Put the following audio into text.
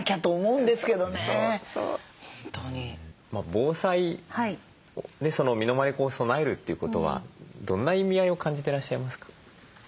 防災身の回りを備えるということはどんな意味合いを感じてらっしゃいますか？